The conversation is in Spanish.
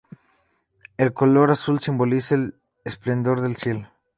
El color azul simboliza el esplendor del cielo.